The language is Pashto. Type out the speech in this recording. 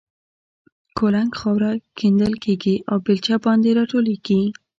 کولنګ خاوره کیندل کېږي او بېلچه باندې را ټولېږي.